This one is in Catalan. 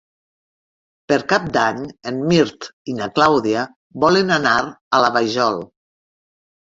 Per Cap d'Any en Mirt i na Clàudia volen anar a la Vajol.